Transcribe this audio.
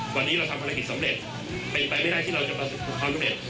วันนี้เราทำภารกิจสำเร็จเป็นไปไม่ได้ที่เราจะประสบความสำเร็จ